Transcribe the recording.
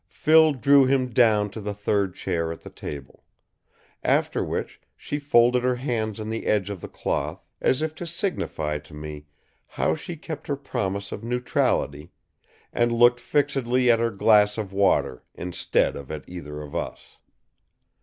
Phil drew him down to the third chair at the table. After which, she folded her hands on the edge of the cloth as if to signify to me how she kept her promise of neutrality, and looked fixedly at her glass of water instead of at either of us.